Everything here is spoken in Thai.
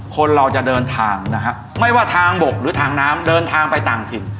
คนเราจะเดินทางนะฮะไม่ว่าทางบกหรือทางน้ำเดินทางไปต่างถิ่น